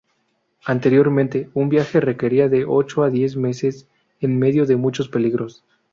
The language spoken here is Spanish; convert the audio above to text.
Anteriormente un viaje requería de ocho a diez meses en medio de muchos peligros.